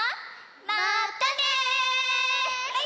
まったね！